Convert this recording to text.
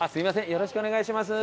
よろしくお願いします。